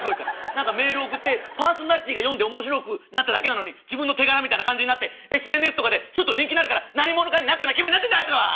何かメール送ってパーソナリティーが読んで面白くなっただけなのに自分の手柄みたいな感じになってＳＮＳとかでちょっと人気になるから何者かになったような気分になってんだあいつは！